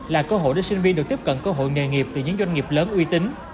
là cơ hội để sinh viên được tiếp cận cơ hội nghề nghiệp từ những doanh nghiệp lớn uy tín